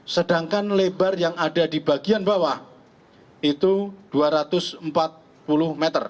sedangkan lebar yang ada di bagian bawah itu dua ratus empat puluh meter